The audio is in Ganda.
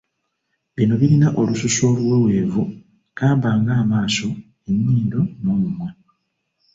Bino birina olususu oluweweevu gamba ng’amaaso, ennyindo n’omumwa.